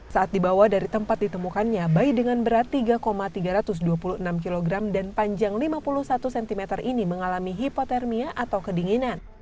saat dibawa dari tempat ditemukannya bayi dengan berat tiga tiga ratus dua puluh enam kg dan panjang lima puluh satu cm ini mengalami hipotermia atau kedinginan